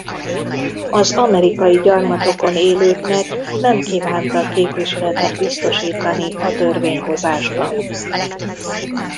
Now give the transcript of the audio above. Az amerikai gyarmatokon élőknek nem kívántak képviseletet biztosítani a törvényhozásban.